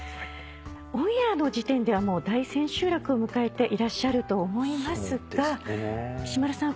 オンエアの時点では大千秋楽を迎えていらっしゃると思いますが石丸さん